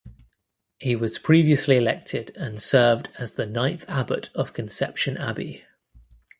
He was previously elected and served as the ninth abbot of Conception Abbey.